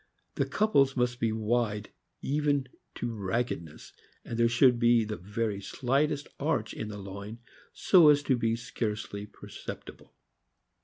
The couples must be wide even to raggedness, and there should be the very slightest arch in the loin, so as to be scarcely perceptible.